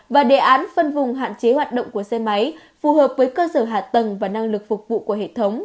và đề án phân vùng hạn chế hoạt động của xe máy phù hợp với cơ sở hạ tầng và năng lực phục vụ của hệ thống